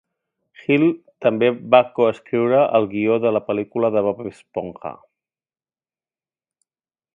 Hill també va coescriure el guió de la pel·lícula de Bob Esponja.